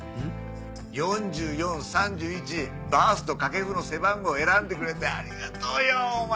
バースと掛布の背番号選んでくれてありがとうよお前。